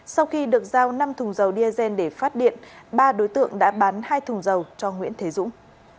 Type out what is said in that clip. sau khi được giao năm thùng dầu diesel để phát điện ba đối tượng đã bán hai thùng dầu cho nguyễn thế dũng